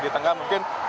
di tengah mungkin